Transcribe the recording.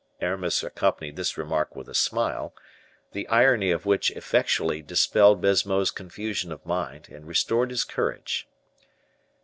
Aramis accompanied this remark with a smile, the irony of which effectually dispelled Baisemeaux's confusion of mind, and restored his courage.